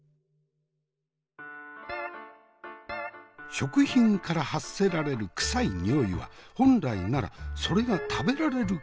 食品から発せられるクサい匂いは本来ならそれが食べられるかどうか？